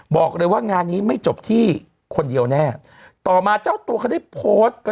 บอกเลยว่างานนี้ไม่จบที่คนเดียวแน่ต่อมาเจ้าตัวเขาได้โพสต์